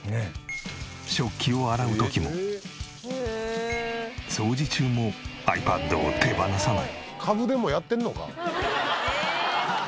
食器を洗う時も掃除中もｉＰａｄを手放さない。